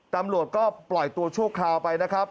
ตำรวจก็ปล่อยตัวชั่วคราวไปนะครับ